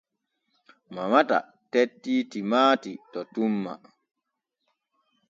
Mamata tettti timaati to tumma.